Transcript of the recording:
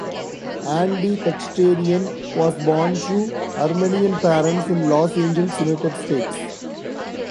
Andy Khachaturian was born to Armenian parents in Los Angeles, United States.